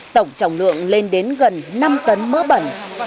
tổng trọng lượng lên đến gần năm tấn mỡ bẩn